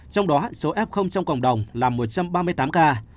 trong đó số f trong cộng đồng là một trăm ba mươi tám ca